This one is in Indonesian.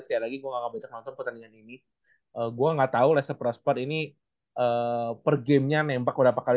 sekali lagi gue gak nonton pertandingannya